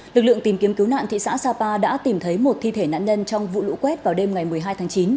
lực lượng tìm kiếm cứu nạn thị xã sapa đã tìm thấy một thi thể nạn nhân trong vụ lũ quét vào đêm ngày một mươi hai tháng chín